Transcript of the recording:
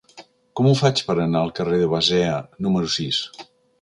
Com ho faig per anar al carrer de Basea número sis?